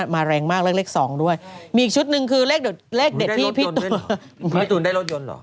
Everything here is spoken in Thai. มาแรงมากและเลข๒ด้วยมีอีกชุดนึงคือเลขเด็ดพี่ตูน